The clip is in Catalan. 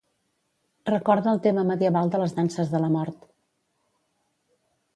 Recorda el tema medieval de les danses de la mort.